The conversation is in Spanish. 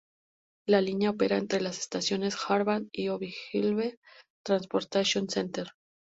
La línea opera entre las estaciones Harvard y Ogilvie Transportation Center.